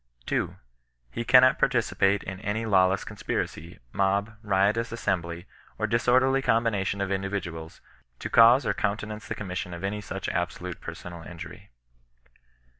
2. He cannot participate in any lawless conspiracy, mob, riotous assembly, or disorderly combination of indi viduals, to cause or countenance the commission of any such absolute personal injury.